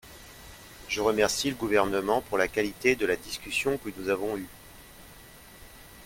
Je remercie le Gouvernement pour la qualité de la discussion que nous avons eue.